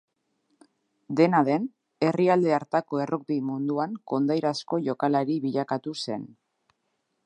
Dena den, herrialde hartako errugbi munduan kondairazko jokalari bilakatu zen.